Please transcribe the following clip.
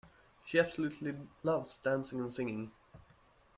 She absolutely loves dancing and singing.